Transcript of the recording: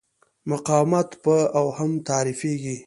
مقاومت په اوهم تعریفېږي.